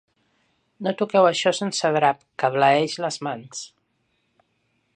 No toqueu això sense drap, que bleeix les mans.